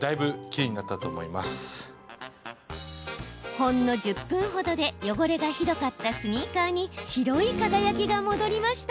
ほんの１０分ほどで汚れがひどかったスニーカーに白い輝きが戻りました。